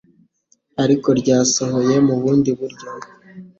Ariko ryasohoye mu bundi buryo.